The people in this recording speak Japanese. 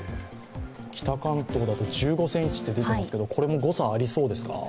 北関東だと１５ｃｍと出ていますけどこれも誤差、ありそうですか。